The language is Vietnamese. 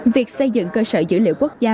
việc xây dựng cơ sở dữ liệu quốc gia